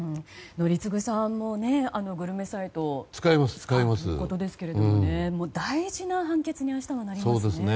宜嗣さんもグルメサイトを使うということですが大事な判決に明日はなりますね。